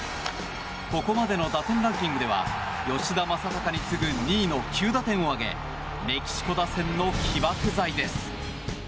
ここまでの打点ランキングでは吉田正尚に次ぐ２位の９打点を挙げメキシコ打線の起爆剤です。